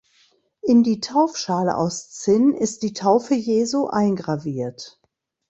In die Taufschale aus Zinn ist die Taufe Jesu eingraviert.